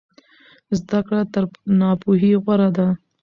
زده کړه تر ناپوهۍ غوره ده.